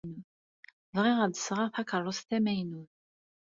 Bɣiɣ ad d-sɣeɣ takeṛṛust tamaynut.